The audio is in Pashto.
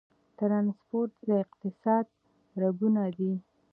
ټرانسپورټ د اقتصاد رګونه دي